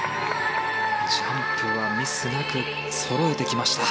ジャンプはミスなくそろえてきました。